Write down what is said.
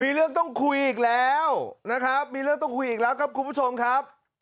มีเรื่องต้องคุยอีกแล้วนะครับมีเรื่องต้องคุยอีกแล้วครับคุณผู้ชมครับ